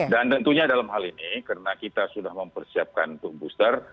dan tentunya dalam hal ini karena kita sudah mempersiapkan untuk booster